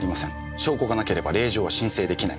証拠がなければ令状は申請出来ない。